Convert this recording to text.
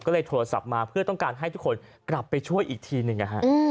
ก็เลยโทรศัพท์มาเพื่อต้องการให้ทุกคนกลับไปช่วยอีกทีหนึ่งนะฮะ